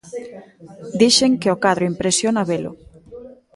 Dixen que o cadro impresiona velo.